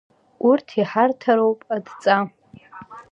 Урҭ иҳарҭароуп адҵа!